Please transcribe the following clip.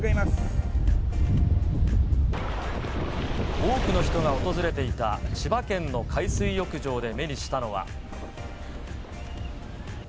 多くの人が訪れていた千葉県の海水浴場で目にしたのは。